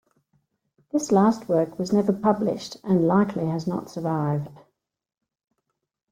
This last work was never published, and likely has not survived.